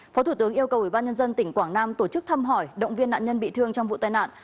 phó thủ tướng yêu cầu ủy ban nhân dân tỉnh quảng nam tổ chức thăm hỏi động viên nạn nhân bị thương trong vụ tai nạn